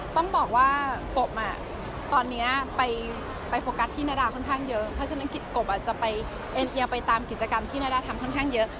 ต้องบอกว่ากบตอนนี้ไปโฟกัสที่นาดาค่อนข้างเยอะเพราะฉะนั้นกบอาจจะไปเอ็นเอียไปตามกิจกรรมที่นาดาทำค่อนข้างเยอะ